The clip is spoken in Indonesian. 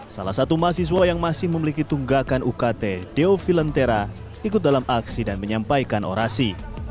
salah satu mahasiswa yang masih memiliki tunggakan ukt deo film tera ikut dalam aksi dan menyampaikan orasi